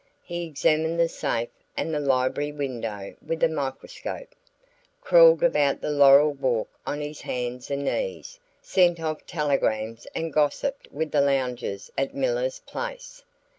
He examined the safe and the library window with a microscope, crawled about the laurel walk on his hands and knees, sent off telegrams and gossiped with the loungers at "Miller's place."